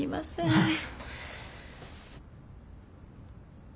はい。